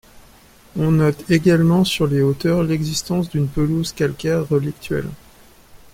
On note également sur les hauteurs l'existence d'une pelouse calcaire relictuelle.